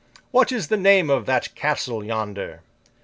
What is the name of that castle yonder?